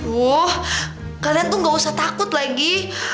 woh kalian tuh nggak usah takut lagi